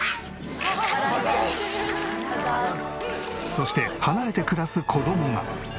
そして離れて暮らす子供が。